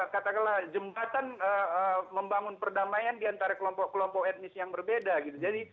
katakanlah jembatan membangun perdamaian di antara kelompok kelompok etnis yang berbeda